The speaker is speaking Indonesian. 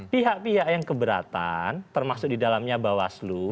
pihak pihak yang keberatan termasuk di dalamnya bawaslu